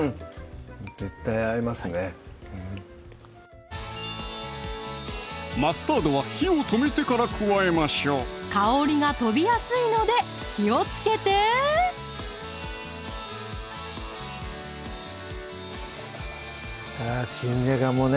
絶対合いますねはいマスタードは火を止めてから加えましょう香りが飛びやすいので気をつけて新じゃがもね